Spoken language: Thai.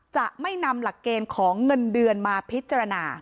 จะไม่นำหลักเกณฑ์ของเงินเดือนมาพิจารณา